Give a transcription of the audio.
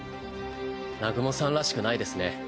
南雲さんらしくないですね